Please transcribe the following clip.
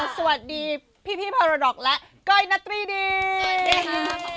สวัสดีค่ะขอบคุณให้ค่ะ